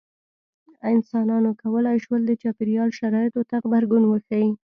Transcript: انسانانو کولی شول د چاپېریال شرایطو ته غبرګون وښيي.